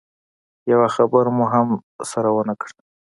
يوه خبره مو هم سره ونه کړه.